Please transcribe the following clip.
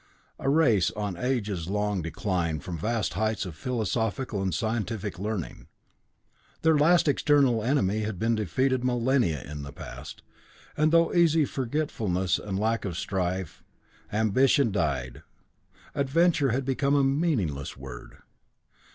A race on an ages long decline from vast heights of philosophical and scientific learning. Their last external enemy had been defeated millennia in the past; and through easy forgetfulness and lack of strife, ambition had died. Adventure had become a meaningless word.